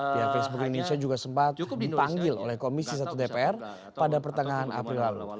pihak facebook indonesia juga sempat dipanggil oleh komisi satu dpr pada pertengahan april lalu